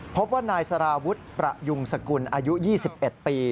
พบว่านายสารวุฒิประยุงสกุลอายุ๒๑ปี